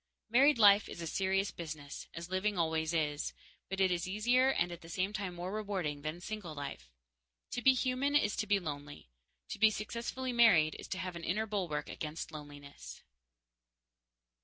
Married life is serious business, as living always is, but it is easier and at the same time more rewarding than single life. To be human is to be lonely. To be successfully married is to have an inner bulwark against loneliness.